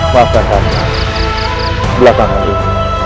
maafkan aku belakanganmu